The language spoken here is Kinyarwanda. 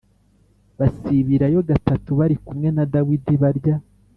Basibirayo gatatu bari kumwe na Dawidi barya